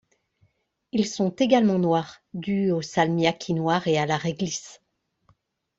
Ils sont également noirs, dû au salmiakki noir et à la réglisse.